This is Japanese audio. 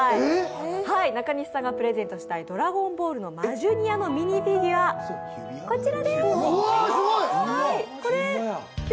中西さんがプレゼントしたい「ドラゴンボール」のマジュニアのミニフィギュア、こちらです。